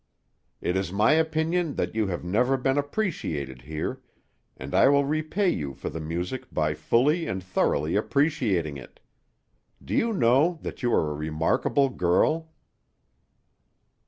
It is my opinion that you have never been appreciated here, and I will repay you for the music by fully and thoroughly appreciating it. Do you know that you are a remarkable girl?"